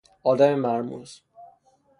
آدم مرموز